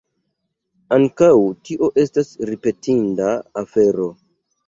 Ankaŭ tio estas ripetinda afero!